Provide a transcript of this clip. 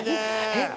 えっ？